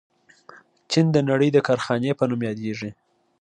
چین د نړۍ د کارخانې په نوم یادیږي.